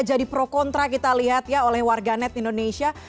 jadi pro kontra kita lihat ya oleh warga net indonesia